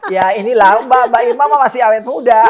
ya inilah mbak irma masih awet muda